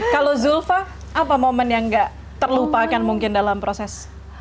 kalau zulfa apa momen yang gak terlupakan mungkin dalam proses